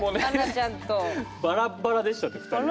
バラッバラでしたね２人ね。